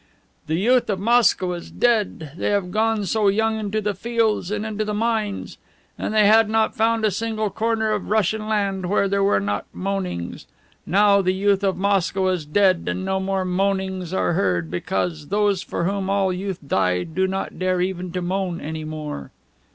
"The youth of Moscow is dead! They had gone so young into the fields and into the mines, And they had not found a single corner of the Russian land where there were not moanings. Now the youth of Moscow is dead and no more moanings are heard, Because those for whom all youth died do not dare even to moan any more.